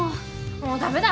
もうダメだ。